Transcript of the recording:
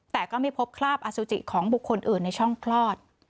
แต่ก็ไม่พบคราบอสุจิของบุคคลอื่นในช่องคลอด